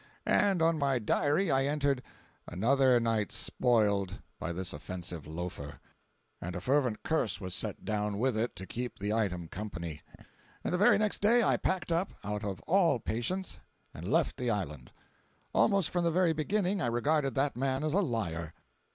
And on my diary I entered "another night spoiled" by this offensive loafer. And a fervent curse was set down with it to keep the item company. And the very next day I packed up, out of all patience, and left the Island. Almost from the very beginning, I regarded that man as a liar